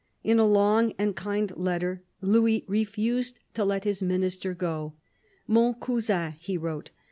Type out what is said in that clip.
In a long and kind letter, Louis refused to let his Minister go. " Mon Cousin," he wrote